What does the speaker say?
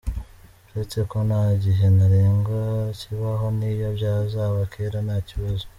Uretse ko nta gihe ntarengwa kibaho n’iyo byazaba kera nta kibazo.